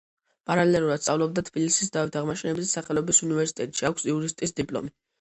პარალელურად სწავლობდა თბილისის დავით აღმაშენებლის სახელობის უნივერსიტეტში, აქვს იურისტის დიპლომი.